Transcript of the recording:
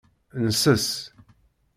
Nesses.